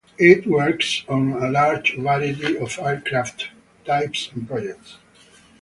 It works on a large variety of aircraft types and projects.